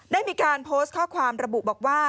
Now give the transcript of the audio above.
ได้มีการโพสต์ข้อความระบุบอกว่า